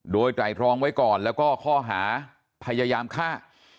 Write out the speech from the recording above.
โดยไตรรองไว้ก่อนแล้วก็ข้อหาพยายามฆ่า